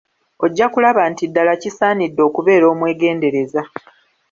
Ojja kulaba nti ddala kisaanidde okubeera omwegendereza.